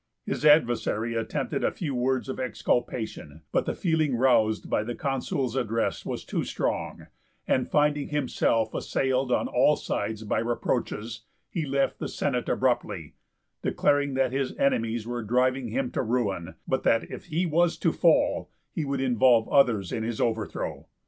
His adversary attempted a few words of exculpation, but the feeling roused by the Consul's address was too strong, and finding himself assailed on all sides by reproaches, he left the Senate abruptly, declaring that his enemies were driving him to ruin, but that if he was to fall he would involve others in his overthrow.